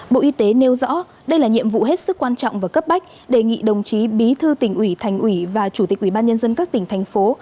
bộ y tế nêu rõ đây là nhiệm vụ hết sức quan trọng và cấp bách đề nghị đồng chí bí thư tỉnh ủy thành ủy và chủ tịch ủy ban nhân dân các tỉnh thành phố